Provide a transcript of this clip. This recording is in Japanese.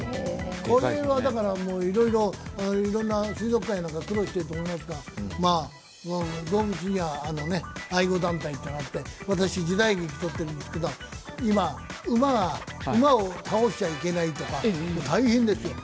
これは、いろんな水族館や何か苦労していると思いますが、動物には愛護団体ってのがあって私、時代劇を撮っているんですけど今、馬を倒しちゃいけないとか、大変ですよ。